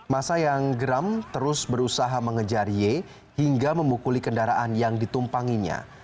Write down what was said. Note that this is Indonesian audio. masa yang geram terus berusaha mengejar y hingga memukuli kendaraan yang ditumpanginya